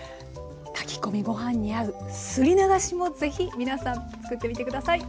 炊き込みご飯に合うすり流しもぜひ皆さん作ってみて下さい。